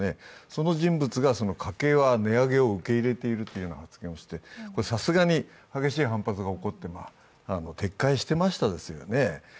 その人物が、家計は値上げを受け入れているという発言をして、さすがに激しい反発が起こって撤回していましたよね。